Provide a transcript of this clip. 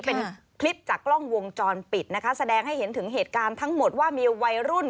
เป็นคลิปจากกล้องวงจรปิดนะคะแสดงให้เห็นถึงเหตุการณ์ทั้งหมดว่ามีวัยรุ่น